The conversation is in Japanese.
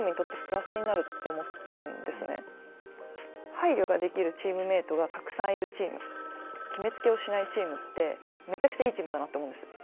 配慮ができるチームメートがたくさんいるチーム決めつけをしないチームってめちゃくちゃいいチームだなって思うんです。